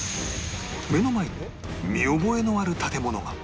目の前に見覚えのある建物が